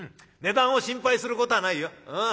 値段を心配することはないよ。